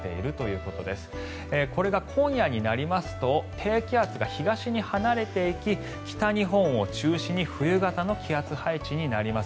これが今夜になりますと低気圧が東に離れていき北日本を中心に冬型の気圧配置になります。